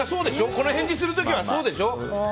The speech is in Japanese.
この返事する時はそうでしょ。